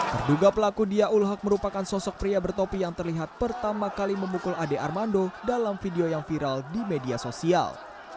terduga pelaku dia ulhak merupakan sosok pria bertopi yang terlihat pertama kali memukul ade armando dalam video yang viral di media sosial